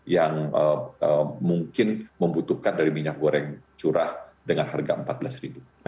yang mungkin membutuhkan dari minyak goreng curah dengan harga rp empat belas